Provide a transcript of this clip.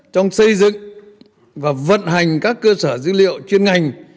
trong xây dựng và vận hành các cơ sở dữ liệu chuyên ngành